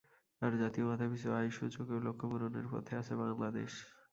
আর জাতীয় মাথাপিছু আয় সূচকেও লক্ষ্য পূরণের পথে আছে বাংলাদেশ।